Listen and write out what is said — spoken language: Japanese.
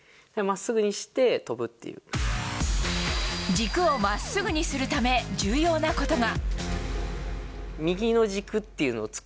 軸を真っすぐにするため重要なことが。